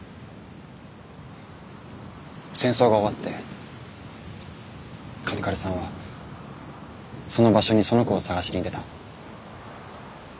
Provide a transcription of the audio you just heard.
戦争が終わって嘉手刈さんはその場所にその子を捜しに出た。